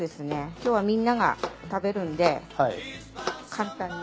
今日はみんなが食べるんで簡単に。